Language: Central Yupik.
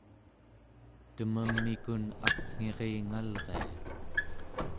tememikun akngiringalria